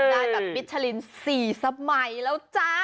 ได้แบบวิชลินทร์สี่สมัยแล้วจ๊ะ